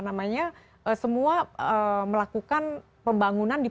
namanya semua melakukan pembangunan di